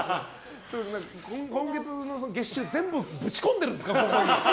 今月の月収全部ぶち込んでるんですか？